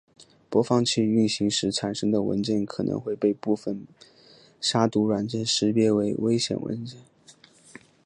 播放器运行时产生的文件可能会被部分杀毒软件识别为危险文件。